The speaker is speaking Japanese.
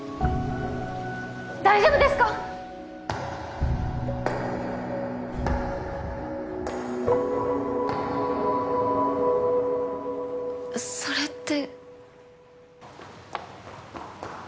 ・大丈夫ですか？それって。